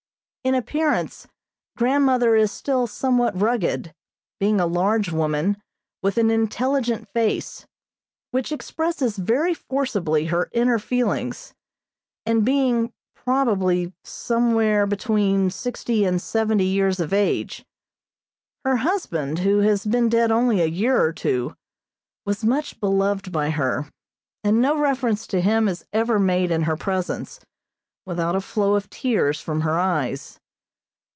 In appearance grandmother is still somewhat rugged, being a large woman, with an intelligent face, which expresses very forcibly her inner feelings, and being, probably, somewhere between sixty and seventy years of age. Her husband, who has been dead only a year or two, was much beloved by her, and no reference to him is ever made in her presence, without a flow of tears from her eyes.